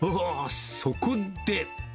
そこで。